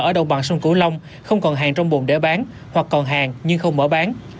ở đồng bằng sông cửu long không còn hàng trong bồn để bán hoặc còn hàng nhưng không mở bán